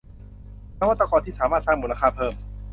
นวัตกรที่สามารถสร้างมูลค่าเพิ่ม